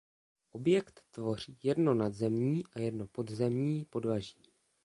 Objekt tvoří jedno nadzemní a jedno podzemní podlaží.